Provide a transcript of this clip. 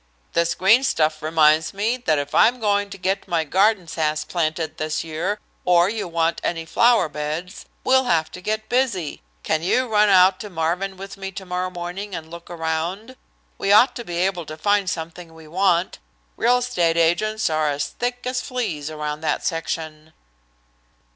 "This green stuff reminds me that if I'm going to get my garden sass planted this year or you want any flower beds, we'll have to get busy. Can you run out to Marvin with me tomorrow morning and look around? We ought to be able to find something we want. Real estate agents are as thick as fleas around that section."